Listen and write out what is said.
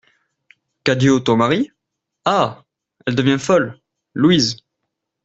Cadio, ton mari ? Ah ! elle devient folle ! LOUISE.